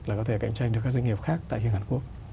là có thể cạnh tranh được các doanh nghiệp khác tại riêng hàn quốc